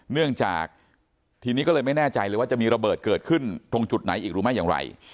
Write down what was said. เนื่องจากทีนี้ก็เลยไม่แน่ใจเลยว่าจะมีระเบิดเกิดขึ้นตรงจุดไหนอีกหรือไม่อย่างไร